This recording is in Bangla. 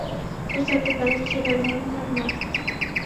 প্রস্তাবটি তাঁদের ছেলে রোহান ভার্মার।